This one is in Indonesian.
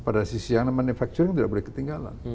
pada sisi yang namanya manufacturing tidak boleh ketinggalan